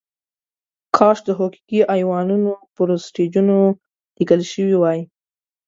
کاش د حقوقي ایوانونو پر سټیجونو لیکل شوې وای.